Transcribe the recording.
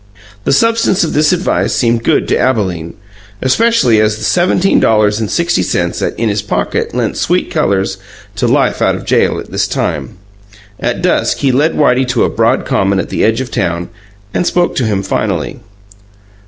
The substance of this advice seemed good to Abalene, especially as the seventeen dollars and sixty cents in his pocket lent sweet colours to life out of jail at this time. At dusk he led Whitey to a broad common at the edge of town, and spoke to him finally.